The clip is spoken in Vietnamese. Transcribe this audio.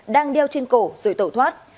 đang đeo trên cổ rồi tẩu thoát